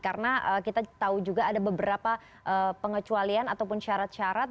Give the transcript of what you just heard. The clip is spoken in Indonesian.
karena kita tahu juga ada beberapa pengecualian ataupun syarat syarat